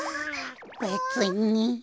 べつに。